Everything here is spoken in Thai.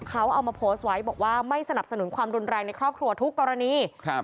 เขาเอามาโพสต์ไว้บอกว่าไม่สนับสนุนความรุนแรงในครอบครัวทุกกรณีครับ